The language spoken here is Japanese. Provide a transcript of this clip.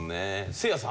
せいやさん。